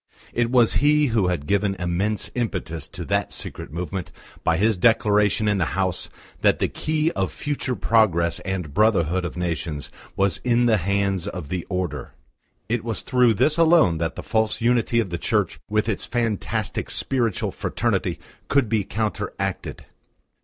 It was he who had given immense impetus to that secret movement by his declaration in the House that the key of future progress and brotherhood of nations was in the hands of the Order. It was through this alone that the false unity of the Church with its fantastic spiritual fraternity could be counteracted.